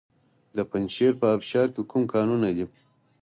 د پنجشیر په ابشار کې کوم کانونه دي؟